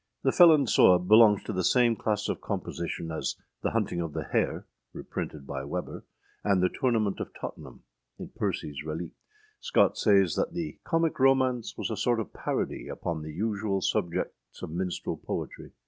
The Felon Sewe belongs to the same class of compositions as the Hunting of the Hare, reprinted by Weber, and the Tournament of Tottenham, in Percyâs Reliques. Scott says that âthe comic romance was a sort of parody upon the usual subjects of minstrel poetry.